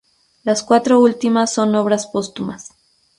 Las cuatro últimas son obras póstumas.